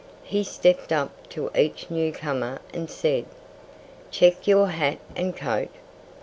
He stepped up to each newcomer and said: "Check your hat and coat?"